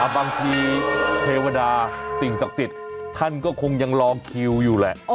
บางทีเทวดาสิ่งศักดิ์สิทธิ์ท่านก็คงยังลองคิวอยู่แหละ